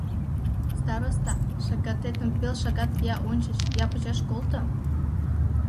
Староста, шагатетым пел шагат я ончыч, я почеш колто.